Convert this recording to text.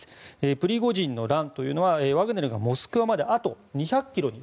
プリゴジンの乱というのはワグネルがモスクワまであと２００ｋｍまで